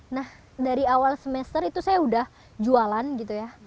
nah dari awal semester itu saya udah jualan gitu ya